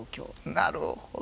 なるほど。